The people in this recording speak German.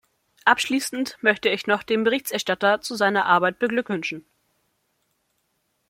Abschließend möchte ich noch den Berichterstatter zu seiner Arbeit beglückwünschen.